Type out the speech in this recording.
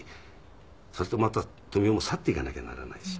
そうするとまた富美男も去っていかなきゃならないし。